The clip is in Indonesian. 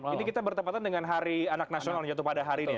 ini kita bertepatan dengan hari anak nasional yang jatuh pada hari ini ya